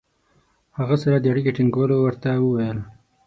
هغه سره د اړیکې ټینګولو ورته وویل.